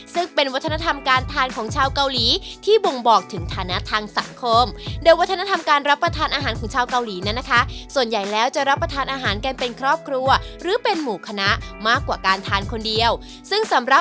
ซึ่งเป็นวัฒนธรรมการทานของชาวเกาหลีที่บ่งบอกถึงธนทางสังคม